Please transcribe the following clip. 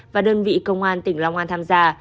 và đơn vị công an tỉnh long an tham gia